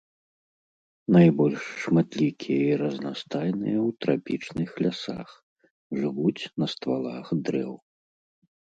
Найбольш шматлікія і разнастайныя ў трапічных лясах, жывуць на ствалах дрэў.